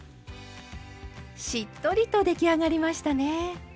しっとりと出来上がりましたね。